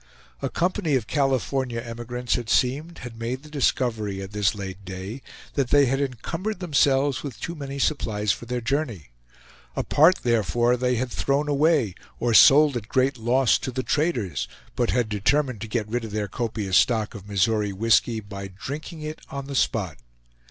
A company of California emigrants, it seemed, had made the discovery at this late day that they had encumbered themselves with too many supplies for their journey. A part, therefore, they had thrown away or sold at great loss to the traders, but had determined to get rid of their copious stock of Missouri whisky, by drinking it on the spot.